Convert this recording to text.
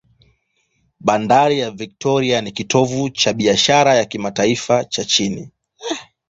Bandari ya Victoria ni kitovu cha biashara ya kimataifa cha nchi.